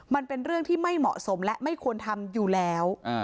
มันเป็นเรื่องที่ไม่เหมาะสมและไม่ควรทำอยู่แล้ว